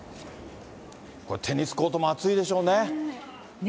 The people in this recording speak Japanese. これ、テニスコートも暑いでしょうね。